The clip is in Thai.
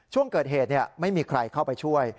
ช่วงเกิดเหตุไม่มีใครเข้าไปช่วย